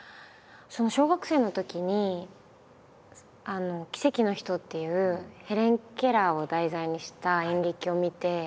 小学生のときに「奇跡の人」っていうヘレン・ケラーを題材にした演劇を見て。